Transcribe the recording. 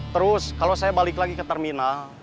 terus kalau saya balik lagi ke terminal